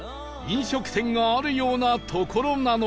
飲食店があるような所なのか？